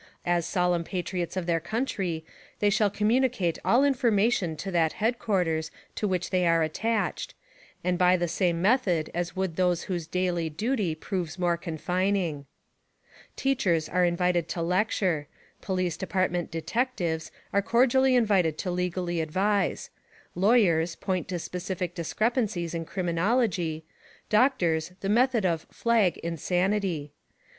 As solemn patriots of their country they shall communicate all information to that headquarters to which they are attached, and by the same metihod as would those whose daily duty proves more confining. Teachers are invited to lecture. Police Department "detectives" are cordially invited to legally advise ; Lawyers, point to specific discrepencies in criminology ; doc tors, the method of "flag" insanity.